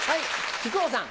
木久扇さん。